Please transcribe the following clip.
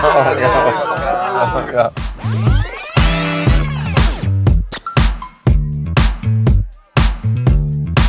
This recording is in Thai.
ขอบคุณมากเลยค่ะ